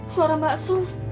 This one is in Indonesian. suara mbak sung